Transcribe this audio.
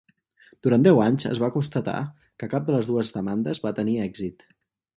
Durant deu anys es va constatar que cap de les dues demandes va tenir èxit.